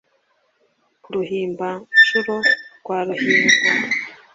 ku ruhimba-nshuro rwa ruhingo